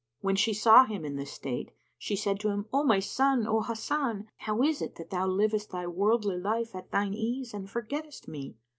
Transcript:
When she saw him in this state, she said to him, "O my son, O Hasan, how is it that thou livest thy worldly life at thine ease and forgettest me?